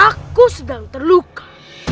aku sedang terluka